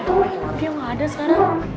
tungguin dia gak ada sekarang